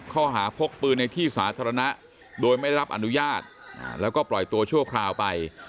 ข้อหาพกปืนในที่สาธารณะโดยไม่ได้รับอนุญาตแล้วก็ปล่อยตัวชั่วคราวไป